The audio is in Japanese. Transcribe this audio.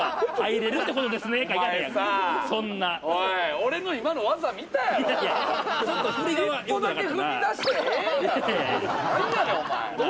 俺の今の技見たやろ？